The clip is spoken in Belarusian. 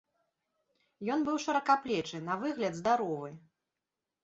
Ён быў шыракаплечы, на выгляд здаровы.